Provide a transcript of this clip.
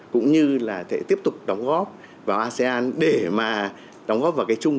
cũng như là sẽ tiếp tục đóng góp vào asean để mà đóng góp vào cái chung